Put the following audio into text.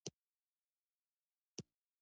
جهان خان ادینه بېګ خان هم خپه کړ.